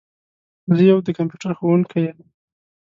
زه یو د کمپیوټر ښوونکي یم.